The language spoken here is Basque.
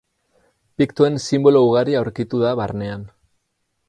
Piktoen sinbolo ugari aurkitu da barnean.